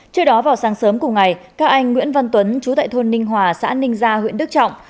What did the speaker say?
trước đó vào sáng sớm cùng ngày các anh nguyễn văn tuấn chú tại thôn ninh hòa xã ninh gia huyện đức trọng